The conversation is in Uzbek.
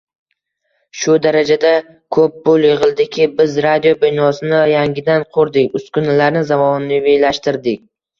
Shu darajada ko‘p pul yig‘ildiki, biz radio binosini yangidan qurdik, uskunalarni zamonaviylashtirdik.